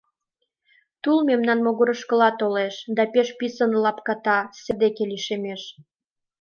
Тул мемнан могырышкыла толеш да пеш писын лапката сер деке лишемеш.